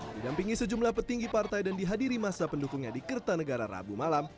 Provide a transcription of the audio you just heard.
didampingi sejumlah petinggi partai dan dihadiri masa pendukungnya di kertanegara rabu malam